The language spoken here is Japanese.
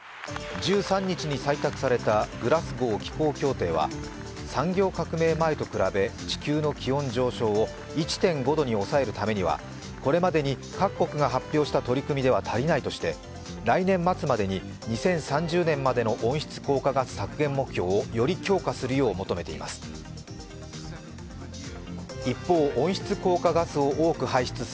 １３日に採択されたグラスゴー気候協定は産業革命前と比べ地球の気温上昇を１．５度に抑えるためにはこれまでに各国が発表した取り組みでは足りないとして、来年末までに、２０３０年までの温室効果ガス削減目標をより強化するよう求めています。